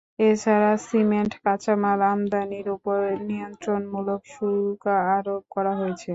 এ ছাড়া সিমেন্টের কাঁচামাল আমদানির ওপর নিয়ন্ত্রণমূলক শুল্ক আরোপ করা হয়েছে।